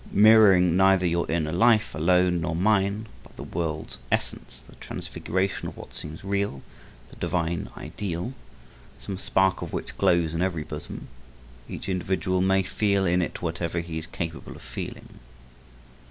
Mirroring neither your inner life alone nor mine, but the world's essence, the transfiguration of what seems real, the divine Ideal, some spark of which glows in every bosom, each individual may feel in it whatever he is capable of feeling.